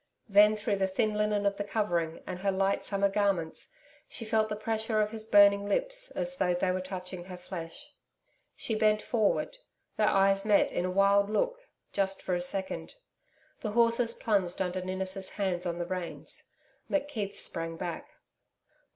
Then through the thin linen of the covering, and her light summer garments, she felt the pressure of his burning lips as though they were touching her flesh. She bent forward. Their eyes met in a wild look, just for a second. The horses plunged under Ninnis' hands on the reins. McKeith sprang back.